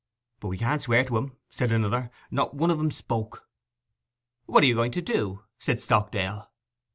'But we can't swear to 'em,' said another. 'Not one of 'em spoke.' 'What are you going to do?' said Stockdale.